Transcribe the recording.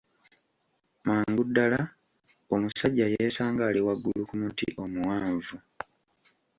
Mangu ddala, omusajja yeesanga ali waggulu ku muti omuwanvu.